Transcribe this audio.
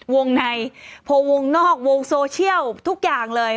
วงในพอวงนอกวงโซเชียลทุกอย่างเลย